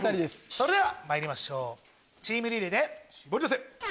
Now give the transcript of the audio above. それではまいりましょうチームリレーでシボリダセ！